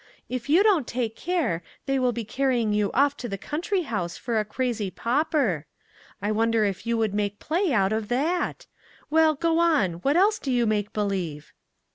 If you don't take care, they will be carrying you off to the county house for a crazy pauper. I wonder if you would make play out of that? Well, go on. What else do you make believe?